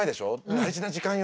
大事な時間よ。